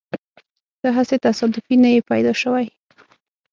ته هسې تصادفي نه يې پیدا شوی.